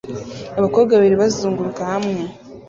abakobwa babiri bazunguruka hamwe